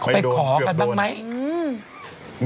เข้าไปขอกันบ้างไหม